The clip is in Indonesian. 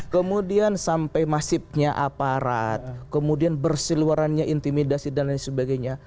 kemudian sampai masifnya aparat kemudian bersiluarannya intimidasi dan lain sebagainya